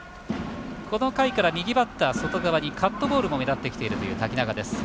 この回から右バッター外側にカットボールも目立ってきているという瀧中です。